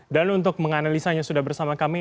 untuk menganalisanya sudah bersama kami